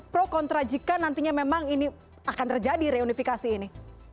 pro kontra jika nantinya memang ini akan terjadi reunifikasi ini